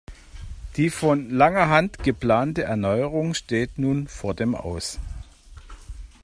Die von langer Hand geplante Erneuerung steht nun vor dem Aus.